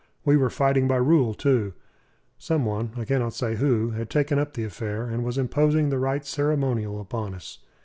We were fighting by rule, too. Some one I cannot say who had taken up the affair, and was imposing the right ceremonial upon us.